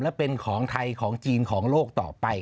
และเป็นของไทยของจีนของโลกต่อไป